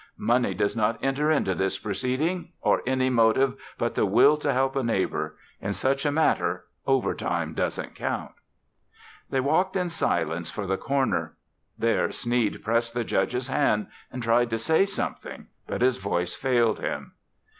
"Money does not enter into this proceeding or any motive but the will to help a neighbor. In such a matter overtime doesn't count." They walked in silence to the corner. There Sneed pressed the Judge's hand and tried to say something, but his voice failed him.